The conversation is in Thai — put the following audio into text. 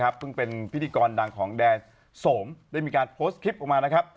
แล้วเค้าจงเป็นพิธีกรดังของแดนโสมได้มีการโพสต์คลิปลงมานะครับ